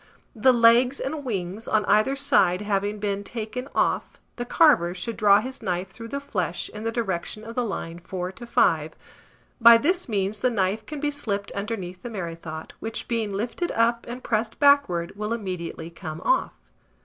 The legs and wings on either side having been taken off, the carver should draw his knife through the flesh in the direction of the line 4 to 5: by this means the knife can be slipped underneath the merrythought, which, being lifted up and pressed backward, will immediately come off.